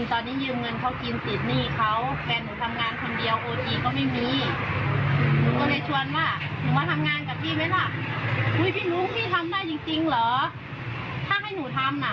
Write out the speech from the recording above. ประเด็นแรกเลยที่เขาพูดนึงมาเองว่า๑๐๐เดียวก็เอานะ